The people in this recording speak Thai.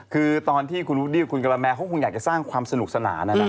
คือตอนที่คุณวุฒิกับคุณกำลังแมรอยากจะสร้างความสนุกสนาน